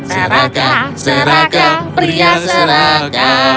seraka seraka pria seraka